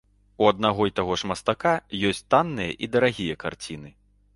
У аднаго і таго ж мастака ёсць танныя і дарагія карціны.